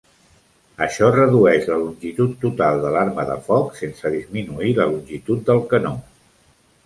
Això redueix la longitud total de l'arma de foc sense disminuir la longitud del canó.